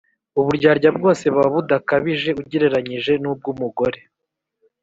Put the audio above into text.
Uburyarya bwose buba budakabije ugereranije n’ubw’umugore;